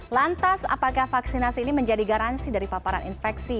lantas apakah vaksinasi ini menjadi garansi dari paparan infeksi